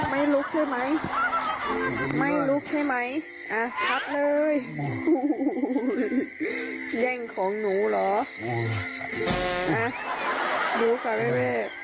ไม่ลุกใช่ไหมไม่ลุกใช่ไหมอะพัดเลยแย่งของหนูเหรอ